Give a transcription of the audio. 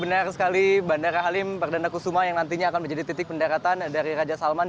benar sekali bandara halim perdana kusuma yang nantinya akan menjadi titik pendaratan dari raja salman